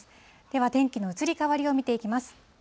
では天気の移り変わりを見ていきます。